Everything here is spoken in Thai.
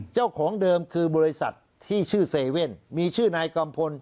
เจ้าของเดิมคือบริษัทที่ชื่อเซเว่นมีชื่อนายกัมพล